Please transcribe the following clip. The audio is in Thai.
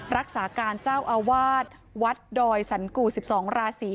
รักษาการเจ้าอาวาสวัดดอยสันกู๑๒ราศี